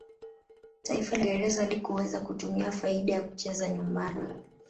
taifa la uingereza halikuweza kutumia faida ya kucheza nyumbani